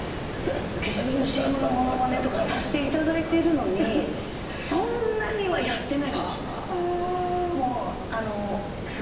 化粧品のＣＭのものまねとかさせて頂いてるのにそんなにはやってないかもしれないです。